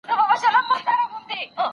د زده کړي په لاره کي خنډونه ليري کېږي.